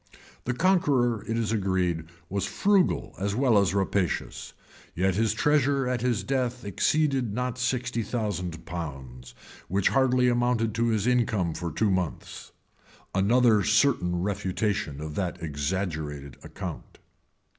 The Conqueror, it is agreed, was frugal as well as rapacious, yet his treasure at his death exceeded not sixty thousand pounds, which hardly amounted to his income for two months; another certain refutation of that exaggerated account.